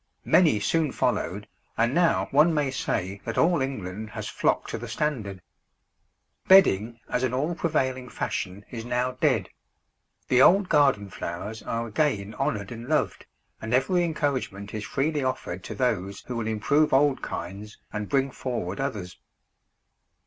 Many soon followed, and now one may say that all England has flocked to the standard. Bedding as an all prevailing fashion is now dead; the old garden flowers are again honoured and loved, and every encouragement is freely offered to those who will improve old kinds and bring forward others.